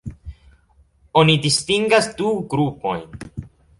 Oni distingas du grupojn.